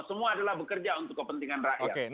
semua adalah bekerja untuk kepentingan rakyat